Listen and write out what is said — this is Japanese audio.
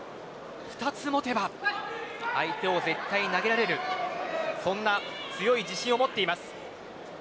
２つ持てば相手を絶対投げられるそんな強い自信を持っています。